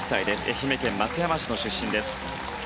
愛媛県松山市の出身です。